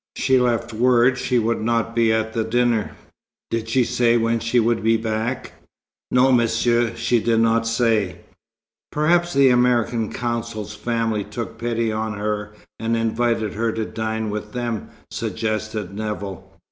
"She left word she would not be at the dinner." "Did she say when she would be back?" "No, monsieur. She did not say." "Perhaps the American Consul's family took pity on her, and invited her to dine with them," suggested Nevill.